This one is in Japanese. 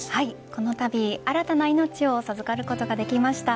このたび新たな命を授かることができました。